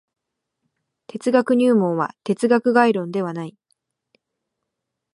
哲学入門は哲学概論ではない。